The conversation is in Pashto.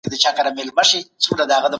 ډیپلوماسي باید د شخړو د حل سوله ییزه لاره وي.